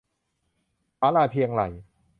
ผาลาเพียงไหล่